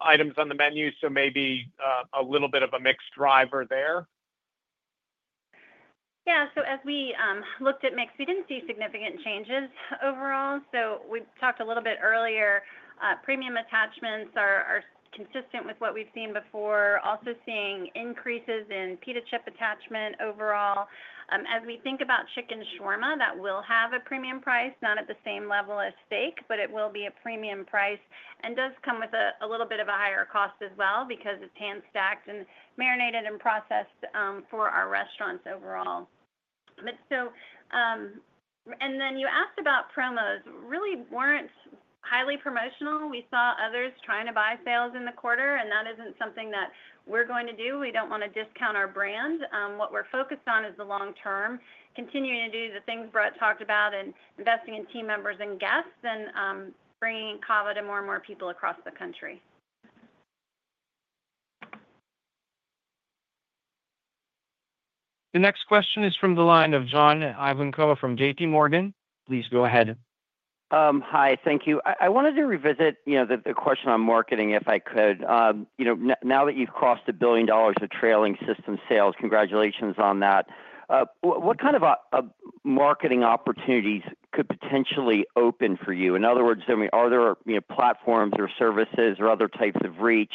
items on the menu? Maybe a little bit of a mixed driver there. As we looked at mix, we didn't see significant changes overall. We talked a little bit earlier, premium attachments are consistent with what we've seen before, also seeing increases in pita chip attachment overall. As we think about chicken shawarma, that will have a premium price, not at the same level as steak, but it will be a premium price and does come with a little bit of a higher cost as well because it's hand-stacked and marinated and processed for our restaurants overall. You asked about promos, really weren't highly promotional. We saw others trying to buy sales in the quarter, and that isn't something that we're going to do. We don't want to discount our brand. What we're focused on is the long term, continuing to do the things Brett talked about and investing in team members and guests and bringing CAVA to more and more people across the country. Your next question is from the line of John Ivankoe from JPMorgan. Please go ahead. Hi, thank you. I wanted to revisit the question on marketing if I could. Now that you've crossed $1 billion of trailing system sales, congratulations on that. What kind of marketing opportunities could potentially open for you? In other words, are there platforms or services or other types of reach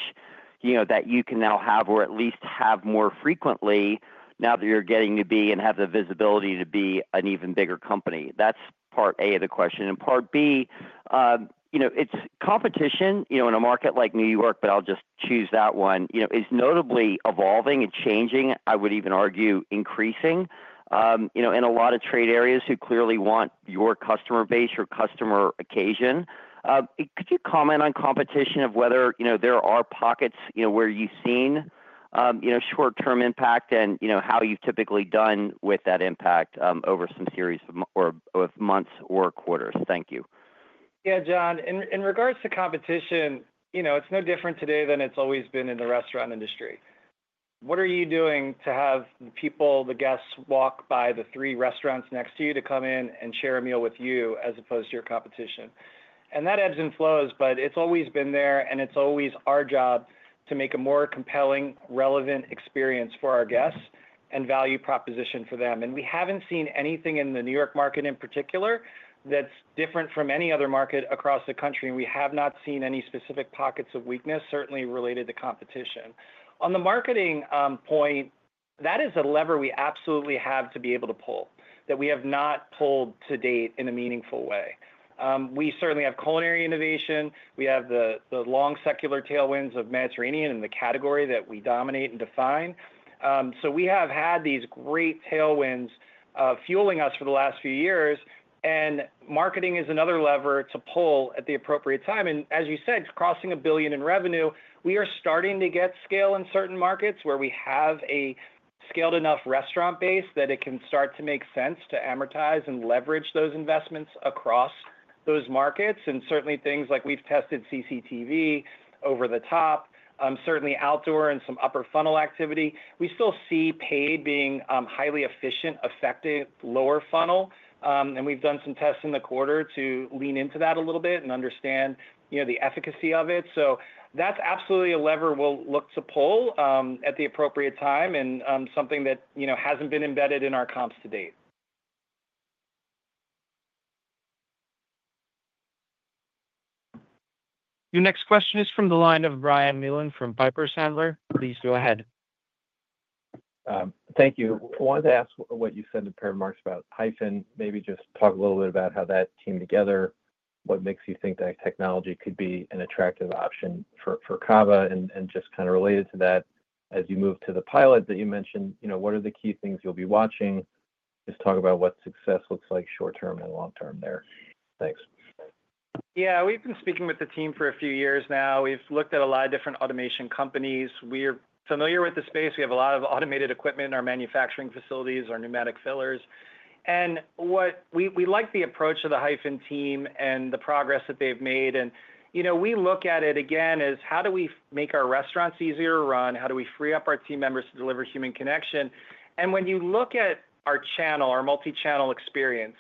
that you can now have or at least have more frequently now that you're getting to be and have the visibility to be an even bigger company? That's part A of the question. Part B, it's competition in a market like New York, but I'll just choose that one, is notably evolving and changing. I would even argue increasing in a lot of trade areas who clearly want your customer base, your customer occasion. Could you comment on competition of whether there are pockets where you've seen short-term impact and how you've typically done with that impact over some series of months or quarters? Thank you. Yeah, John, in regards to competition, you know, it's no different today than it's always been in the restaurant industry. What are you doing to have the people, the guests walk by the three restaurants next to you to come in and share a meal with you as opposed to your competition? That ebbs and flows, but it's always been there, and it's always our job to make a more compelling, relevant experience for our guests and value proposition for them. We haven't seen anything in the New York market in particular that's different from any other market across the country, and we have not seen any specific pockets of weakness, certainly related to competition. On the marketing point, that is a lever we absolutely have to be able to pull that we have not pulled to date in a meaningful way. We certainly have culinary innovation. We have the long secular tailwinds of Mediterranean and the category that we dominate and define. We have had these great tailwinds fueling us for the last few years, and marketing is another lever to pull at the appropriate time. As you said, crossing a billion in revenue, we are starting to get scale in certain markets where we have a scaled enough restaurant base that it can start to make sense to amortize and leverage those investments across those markets. Certainly things like we've tested CTV over the top, certainly outdoor and some upper funnel activity. We still see paid being highly efficient, effective lower funnel, and we've done some tests in the quarter to lean into that a little bit and understand, you know, the efficacy of it. That's absolutely a lever we'll look to pull at the appropriate time and something that, you know, hasn't been embedded in our comps to date. Your next question is from the line of Brian Mullan from Piper Sandler. Please go ahead. Thank you. I wanted to ask what you said in paragraphs about Hyphen, maybe just talk a little bit about how that came together, what makes you think that technology could be an attractive option for CAVA, and just kind of related to that, as you move to the pilot that you mentioned, you know, what are the key things you'll be watching? Just talk about what success looks like short term and long term there. Thanks. Yeah, we've been speaking with the team for a few years now. We've looked at a lot of different automation companies. We are familiar with the space. We have a lot of automated equipment in our manufacturing facilities, our pneumatic fillers. What we like is the approach of the Hyphen team and the progress that they've made. We look at it again as how do we make our restaurants easier to run? How do we free up our team members to deliver human connection? When you look at our channel, our multi-channel experience,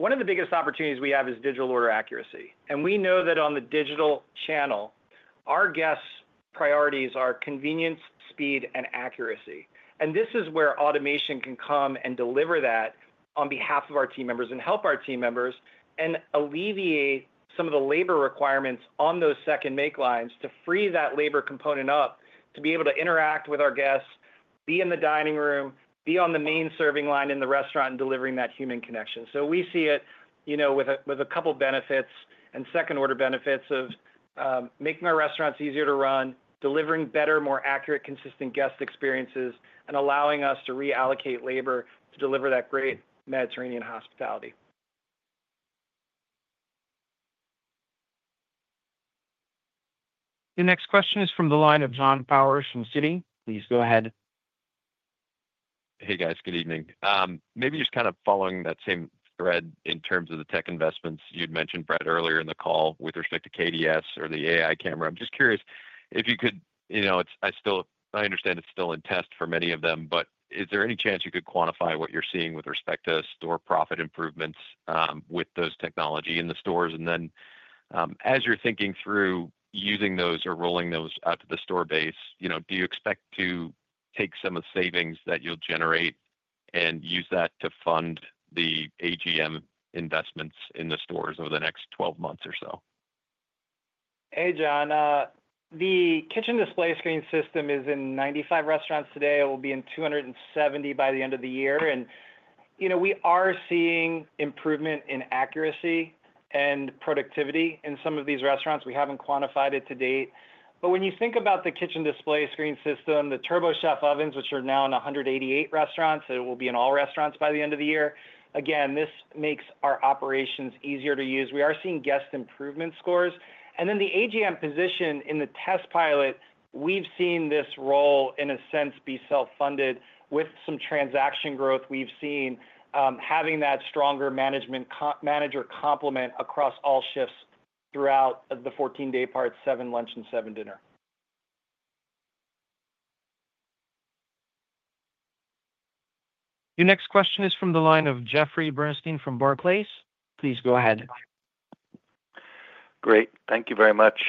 one of the biggest opportunities we have is digital order accuracy. We know that on the digital channel, our guests' priorities are convenience, speed, and accuracy. This is where automation can come and deliver that on behalf of our team members and help our team members and alleviate some of the labor requirements on those second make lines to free that labor component up to be able to interact with our guests, be in the dining room, be on the main serving line in the restaurant, and deliver that human connection. We see it with a couple of benefits and second order benefits of making our restaurants easier to run, delivering better, more accurate, consistent guest experiences, and allowing us to reallocate labor to deliver that great Mediterranean hospitality. Your next question is from the line of John Powers from Citi. Please go ahead. Hey guys, good evening. Maybe just kind of following that same thread in terms of the tech investments you'd mentioned, Brett, earlier in the call with respect to the KDS or the AI camera vision technology. I'm just curious if you could, you know, I understand it's still in test for many of them, but is there any chance you could quantify what you're seeing with respect to store profit improvements with those technologies in the stores? As you're thinking through using those or rolling those out to the store base, do you expect to take some of the savings that you'll generate and use that to fund the AGM investments in the stores over the next 12 months or so? Hey John, the Kitchen Display Screen System is in 95 restaurants today. It will be in 270 by the end of the year. We are seeing improvement in accuracy and productivity in some of these restaurants. We haven't quantified it to date. When you think about the Kitchen Display Screen System, the TurboChef ovens, which are now in 188 restaurants, will be in all restaurants by the end of the year. This makes our operations easier to use. We are seeing guest improvement scores. The AGM position in the test pilot, we've seen this role in a sense be self-funded with some transaction growth. We've seen having that stronger manager complement across all shifts throughout the 14-day part, seven lunch and seven dinner. Your next question is from the line of Jeffrey Bernstein from Barclays. Please go ahead. Great, thank you very much.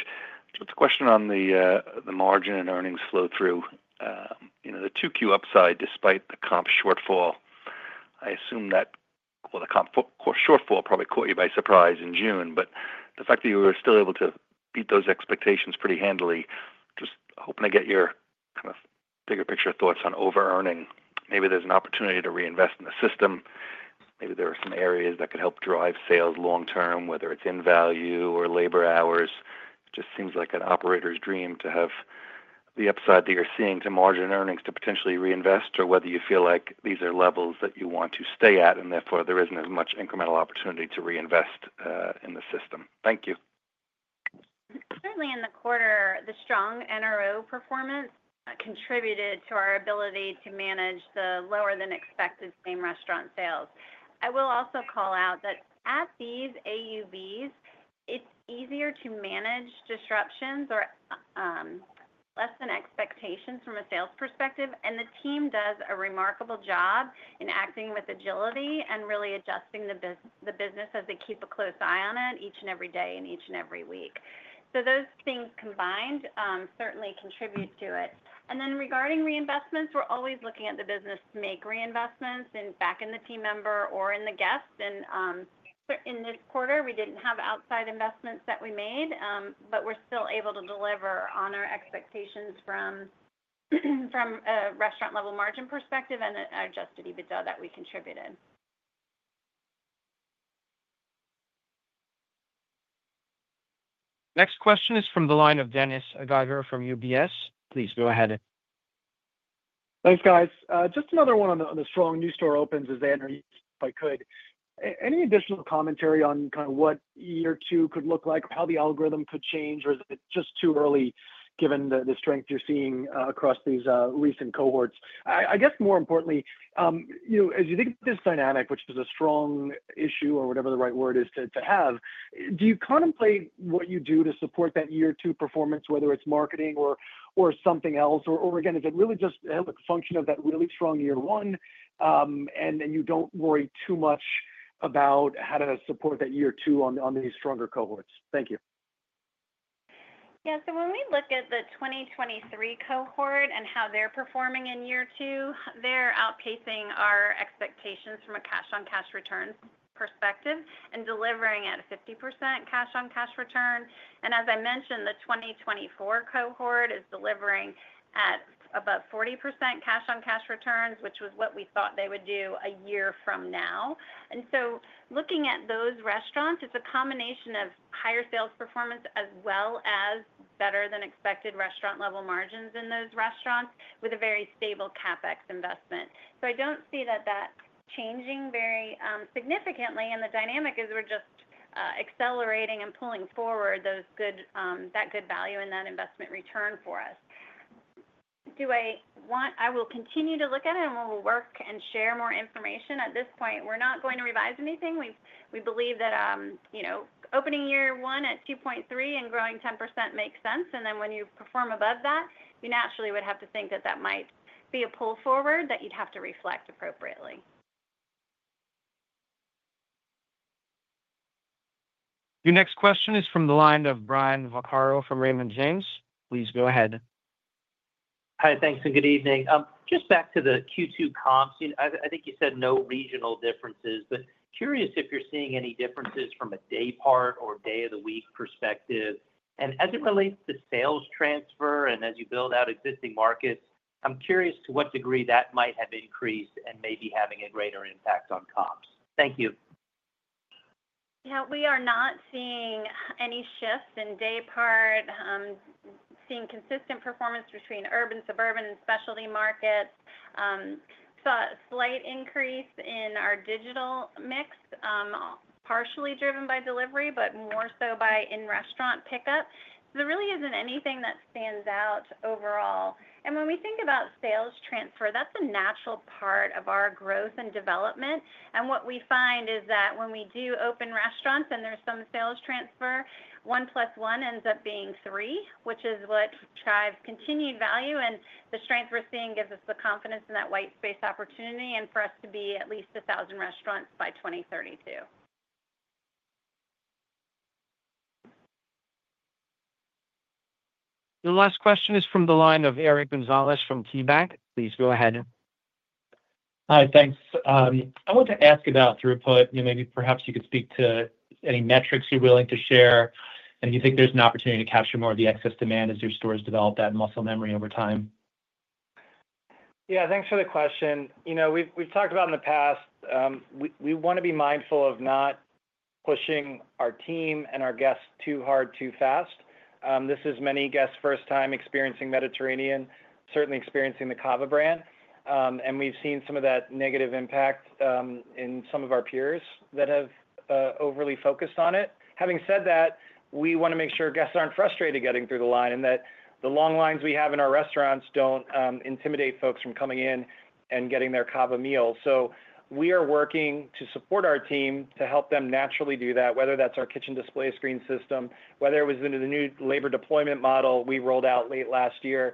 Just a question on the margin and earnings flow-through. You know, the 2Q upside, despite the comp shortfall, I assume that the comp shortfall probably caught you by surprise in June, but the fact that you were still able to beat those expectations pretty handily, just hoping to get your kind of bigger picture thoughts on over-earning. Maybe there's an opportunity to reinvest in the system. Maybe there are some areas that could help drive sales long-term, whether it's in value or labor hours. Just seems like an operator's dream to have the upside that you're seeing to margin earnings to potentially reinvest or whether you feel like these are levels that you want to stay at and therefore there isn't as much incremental opportunity to reinvest in the system. Thank you. Certainly in the quarter, the strong net new openings performance contributed to our ability to manage the lower than expected Same Restaurant Sales. I will also call out that at these Average Unit Volumes, it's easier to manage disruptions or less than expectations from a sales perspective, and the team does a remarkable job in acting with agility and really adjusting the business as they keep a close eye on it each and every day and each and every week. Those things combined certainly contribute to it. Regarding reinvestments, we're always looking at the business to make reinvestments back in the team member or in the guests. In this quarter, we didn't have outside investments that we made, but we're still able to deliver on our expectations from a Restaurant-Level Margin perspective and an Adjusted EBITDA that we contributed. Next question is from the line of Dennis Geiger from UBS. Please go ahead. Thanks, guys. Just another one on the strong new store opens as they enter each, if I could. Any additional commentary on kind of what year two could look like, how the algorithm could change, or is it just too early given the strength you're seeing across these recent cohorts? I guess more importantly, you know, as you think of this dynamic, which was a strong issue or whatever the right word is to have, do you contemplate what you do to support that year two performance, whether it's marketing or something else? Is it really just a function of that really strong year one and you don't worry too much about how to support that year two on these stronger cohorts? Thank you. Yeah, so when we look at the 2023 cohort and how they're performing in year two, they're outpacing our expectations from a cash-on-cash returns perspective and delivering at a 50% cash-on-cash return. As I mentioned, the 2024 cohort is delivering at about 40% cash-on-cash returns, which was what we thought they would do a year from now. Looking at those restaurants, it's a combination of higher sales performance as well as better than expected Restaurant-Level Profit Margins in those restaurants with a very stable CapEx investment. I don't see that that's changing very significantly, and the dynamic is we're just accelerating and pulling forward that good value in that investment return for us. I will continue to look at it, and we'll work and share more information. At this point, we're not going to revise anything. We believe that, you know, opening year one at $2.3 million and growing 10% makes sense, and then when you perform above that, you naturally would have to think that that might be a pull forward that you'd have to reflect appropriately. Your next question is from the line of Brian Vaccaro from Raymond James. Please go ahead. Hi, thanks, and good evening. Just back to the Q2 comps, I think you said no regional differences, but curious if you're seeing any differences from a day part or day of the week perspective. As it relates to sales transfer and as you build out existing markets, I'm curious to what degree that might have increased and maybe having a greater impact on comps. Thank you. Yeah, we are not seeing any shifts in day part, seeing consistent performance between urban, suburban, and specialty markets. We saw a slight increase in our digital mix, partially driven by delivery, but more so by in-restaurant pickup. There really isn't anything that stands out overall. When we think about sales transfer, that's a natural part of our growth and development. What we find is that when we do open restaurants and there's some sales transfer, one plus one ends up being three, which is what drives continued value. The strength we're seeing gives us the confidence in that white space opportunity and for us to be at least 1,000 restaurants by 2032. The last question is from the line of Eric Gonzalez from KeyBanc. Please go ahead. Hi, thanks. I want to ask about throughput. Maybe you could speak to any metrics you're willing to share, and do you think there's an opportunity to capture more of the excess demand as your stores develop that muscle memory over time? Yeah, thanks for the question. You know, we've talked about in the past, we want to be mindful of not pushing our team and our guests too hard, too fast. This is many guests' first time experiencing Mediterranean, certainly experiencing the CAVA brand. We've seen some of that negative impact in some of our peers that have overly focused on it. Having said that, we want to make sure guests aren't frustrated getting through the line and that the long lines we have in our restaurants don't intimidate folks from coming in and getting their CAVA meal. We are working to support our team to help them naturally do that, whether that's our Kitchen Display System, whether it was in the new labor deployment model we rolled out late last year.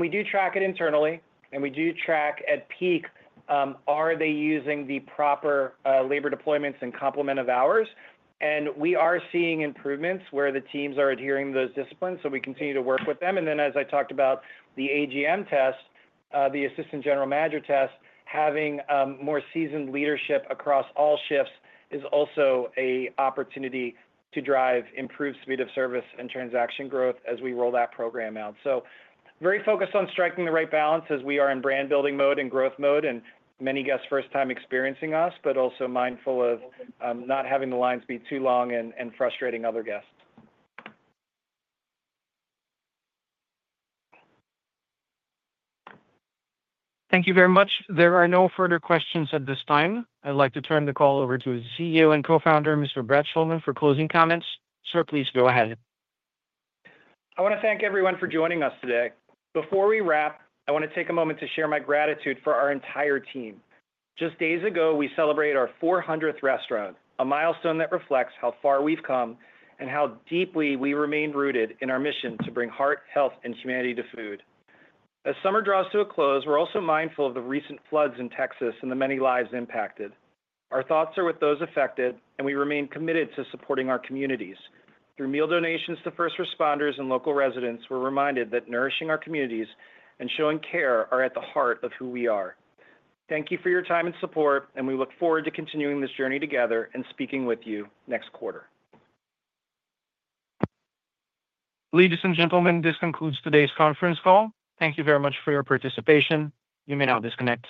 We do track it internally, and we do track at peak, are they using the proper labor deployments and complement of hours? We are seeing improvements where the teams are adhering to those disciplines, so we continue to work with them. As I talked about the AGM test, the Assistant General Manager test, having more seasoned leadership across all shifts is also an opportunity to drive improved speed of service and transaction growth as we roll that program out. Very focused on striking the right balance as we are in brand building mode and growth mode, and many guests' first time experiencing us, but also mindful of not having the lines be too long and frustrating other guests. Thank you very much. There are no further questions at this time. I'd like to turn the call over to the CEO and Co-Founder, Mr. Brett Schulman, for closing comments. Sir, please go ahead. I want to thank everyone for joining us today. Before we wrap, I want to take a moment to share my gratitude for our entire team. Just days ago, we celebrated our 400th restaurant, a milestone that reflects how far we've come and how deeply we remain rooted in our mission to bring heart, health, and humanity to food. As summer draws to a close, we're also mindful of the recent floods in Texas and the many lives impacted. Our thoughts are with those affected, and we remain committed to supporting our communities. Through meal donations to first responders and local residents, we're reminded that nourishing our communities and showing care are at the heart of who we are. Thank you for your time and support, and we look forward to continuing this journey together and speaking with you next quarter. Ladies and gentlemen, this concludes today's conference call. Thank you very much for your participation. You may now disconnect.